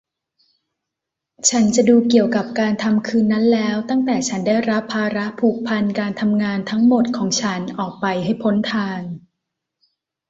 ฉันจะดูเกี่ยวกับการทำคืนนั้นแล้วตั้งแต่ฉันได้รับภาระผูกพันการทำงานทั้งหมดของฉันออกไปให้พ้นทาง